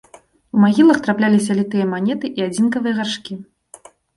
У магілах трапляліся літыя манеты і адзінкавыя гаршкі.